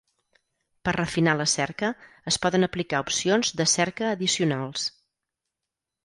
Per refinar la cerca, es poden aplicar opcions de cerca addicionals.